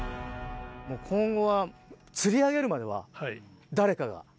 もう今後は、釣り上げるまでは誰かが。